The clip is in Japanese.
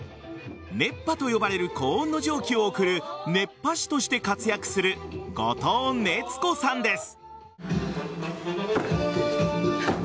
熱波と呼ばれる高温の蒸気を送る熱波師として活躍する五塔熱子さんです。